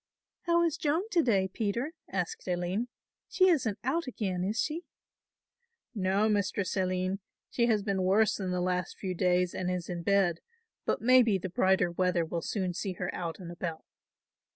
"How is Joan to day, Peter," asked Aline, "she isn't out again is she?" "No, Mistress Aline, she has been worse the last few days and is in bed, but maybe the brighter weather will soon see her out and about."